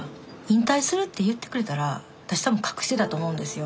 引退するって言ってくれたら私多分隠してたと思うんですよ。